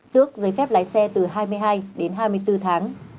tước giấy phép lái xe từ hai mươi hai đến hai mươi bốn tháng